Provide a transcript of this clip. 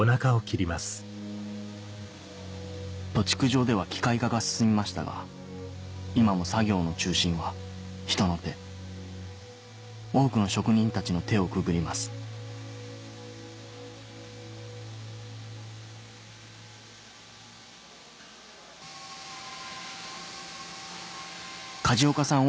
屠畜場では機械化が進みましたが今も作業の中心は人の手多くの職人たちの手をくぐります梶岡さん